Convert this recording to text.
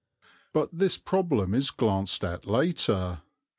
But this problem is glanced at later.